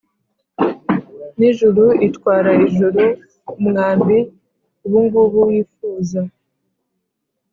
nijuru itwara ijuru, umwambi ubungubu wifuza